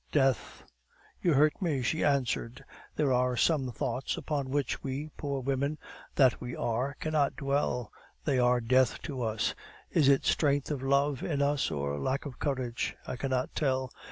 "Death." "You hurt me," she answered. "There are some thoughts upon which we, poor women that we are, cannot dwell; they are death to us. Is it strength of love in us, or lack of courage? I cannot tell.